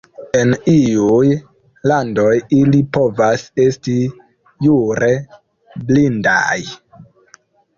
En iuj landoj ili povas esti jure blindaj.